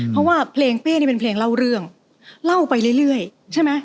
เพราะว่าเพลงเป้นเพลงเล่าเรื่องเล่าไปเรื่อยเรื่อยใช่ไหม